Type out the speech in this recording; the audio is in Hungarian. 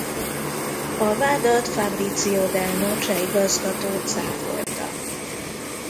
A vádat Fabrizio Del Noce igazgató cáfolta.